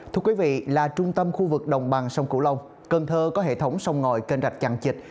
thưa quý vị là trung tâm khu vực đồng bằng sông cửu long cần thơ có hệ thống sông ngòi kênh rạch chẳng chịch